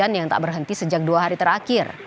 yang tak berhenti sejak dua hari terakhir